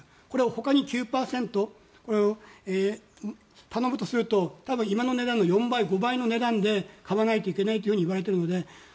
これは他に９％頼むとすると今の値段の４５倍の値段で買わないといけないといわれているので。